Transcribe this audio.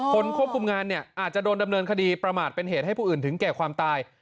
คนควบคุมงานเนี่ยอาจจะโดนดำเนินคดีประมาทเป็นเหตุให้ผู้อื่นถึงแก่ความตาย